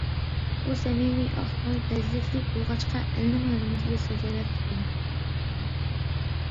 ئۇ سەمىمىي، ئاق كۆڭۈل، پەزىلەتلىك بولغاچقا، ئەلنىڭ ھۆرمىتىگە سازاۋەر ئىكەن.